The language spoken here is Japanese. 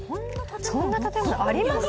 そんな建物あります？